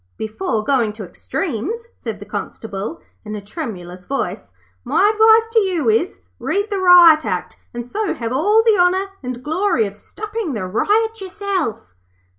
'Before going to extremes,' said the Constable, in a tremulous voice, 'my advice to you is, read the Riot Act, and so have all the honour and glory of stopping the riot yourself.'